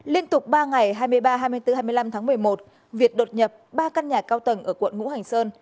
liên tục ba ngày hai mươi ba hai mươi bốn hai mươi năm tháng một mươi một việt đột nhập ba căn nhà cao tầng ở quận ngũ hành sơn